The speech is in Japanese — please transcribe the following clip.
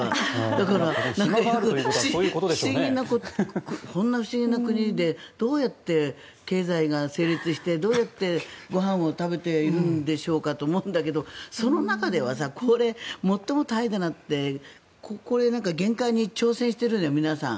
だからこんな不思議な国でどうやって経済が成立してどうやってご飯を食べているんでしょうかと思うんだけどその中では最も怠惰だってこれ、限界に挑戦してるじゃん。